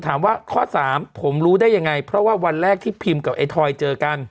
ถามว่าข้อสามผมรู้ได้ยังไงเพราะว่าวันแรกที่พิมกับไอ้ทอยเจอกัน